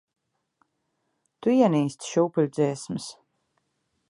Tu ienīsti šūpuļdziesmas.